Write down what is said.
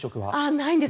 ないんです。